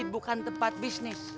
bukan tempat bisnis